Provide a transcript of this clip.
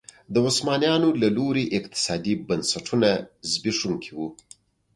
د عثمانیانو له لوري اقتصادي بنسټونه زبېښونکي وو.